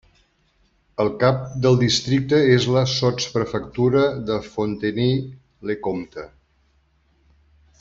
El cap del districte és la sotsprefectura de Fontenay-le-Comte.